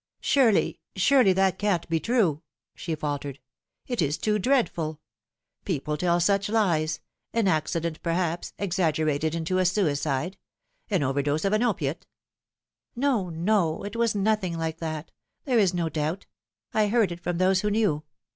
" Surely, surely that can't be true !" she faltered. " It is too 800 The Fatal Three. dreadful! People tell such lies an accident, perhaps, exag gerated into a suicide. An overdose of an opiate !"" No, no ; it was nothing like that. There is no doubt. I heard it from those who knew.